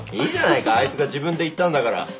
いいじゃないかあいつが自分で言ったんだから。